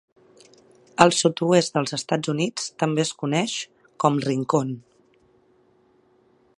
Al sud-oest dels Estats Units també es coneix com "rincon".